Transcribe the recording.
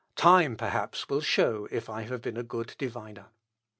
Time, perhaps, will show if I have been a good diviner."